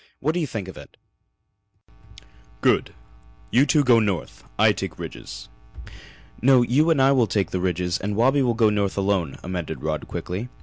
What do you think of it?" "Good" agreed the old hunter. "You two go north I take ridges." "No, you and I will take the ridges and Wabi will go north alone," amended Rod quickly.